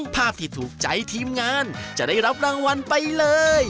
ภาพที่ถูกใจทีมงานจะได้รับรางวัลไปเลย